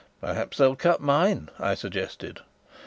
"Perhaps they'll cut mine," I suggested.